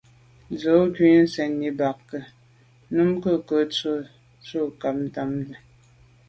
Z’o ghù sènni ba ke ? Numk’o ke tsho’ tshe’ so kà ntsha’t’am à.